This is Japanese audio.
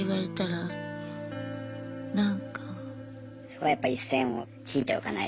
そこはやっぱ一線を引いておかないと。